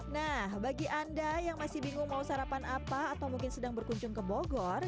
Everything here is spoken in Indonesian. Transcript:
nah bagi anda yang masih bingung mau sarapan apa atau mungkin sedang berkunjung ke bogor